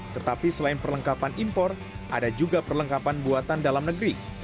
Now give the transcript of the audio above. tetapi selain perlengkapan impor ada juga perlengkapan buatan dalam negeri